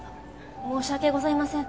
申し訳ございません。